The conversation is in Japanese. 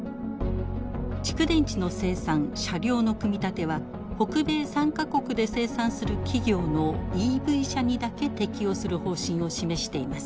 蓄電池の生産車両の組み立ては北米３か国で生産する企業のＥＶ車にだけ適用する方針を示しています。